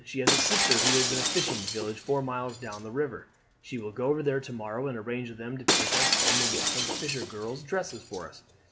She has a sister who lives in a fishing village four miles down the river. She will go over there to morrow and arrange with them to take us, and will get some fisher girls' dresses for us.